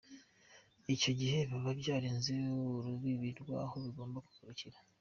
Icyo gihe biba byarenze urubibi rw’aho bigomba kugarukira.